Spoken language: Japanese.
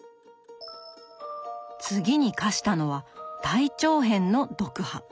次に課したのは大長編の読破。